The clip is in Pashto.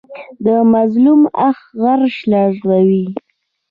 د مظلوم آه عرش لرزوي